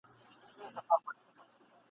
جومات بل قبله بدله مُلا بله ژبه وايي !.